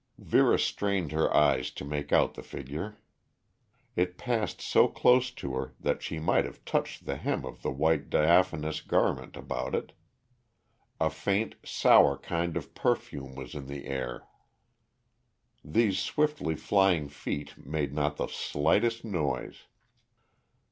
Vera strained her eyes to make out the figure. It passed so close to her that she might have touched the hem of the white diaphanous garment about it; a faint, sour kind of perfume was in the air. These swiftly flying feet made not the slightest noise.